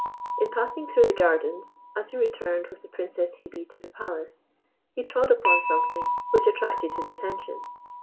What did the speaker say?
In passing through the gardens, as he returned with the Princess Hebe to the Palace, he trod upon something which attracted his attention.